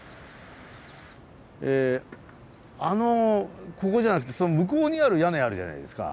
えあのここじゃなくてその向こうにある屋根あるじゃないですか。